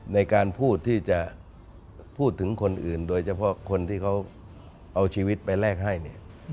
ในการพูดที่จะพูดถึงคนอื่นโดยเฉพาะคนที่เขาเอาชีวิตไปแลกให้เนี่ย